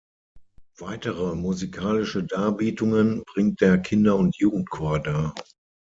Weitere musikalische Darbietungen bringt der Kinder- und Jugendchor dar.